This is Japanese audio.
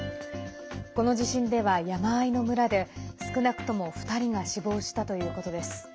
この地震では山あいの村で少なくとも２人が死亡したということです。